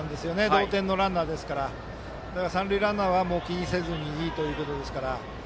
同点のランナーですから三塁ランナーは気にしないでいいということですから。